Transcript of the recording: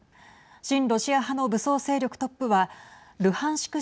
親ロシア派の武装勢力トップはルハンシク